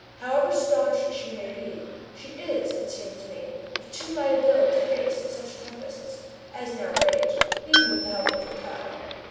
However staunch she may be, she is, it seems to me, of too light a build to face such tempests as now rage, even with the help of the tug.